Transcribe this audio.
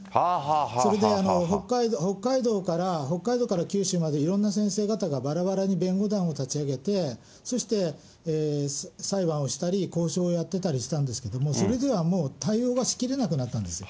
それで北海道から九州までいろんな先生方がばらばらに弁護団を立ち上げて、そして裁判をしたり、交渉をやってたりしたんですけれども、それではもう対応がしきれなくなったんです。